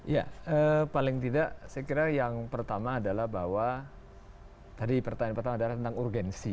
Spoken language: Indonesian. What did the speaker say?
ya paling tidak saya kira yang pertama adalah bahwa tadi pertanyaan pertama adalah tentang urgensi